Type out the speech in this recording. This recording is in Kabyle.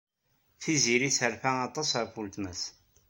Tiziri terfa aṭas ɣef weltma-s.